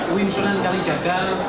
uwin sunan kalijaga